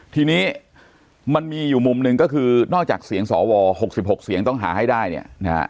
ทีนี้มันมีอยู่มุมหนึ่งก็คือนอกจากเสียงสว๖๖เสียงต้องหาให้ได้เนี่ยนะฮะ